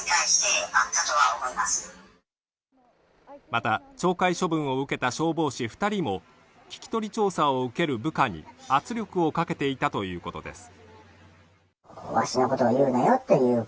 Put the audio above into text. また懲戒処分を受けた消防士二人も聞き取り調査を受ける部下に圧力をかけていたということです